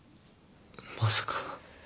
まさか。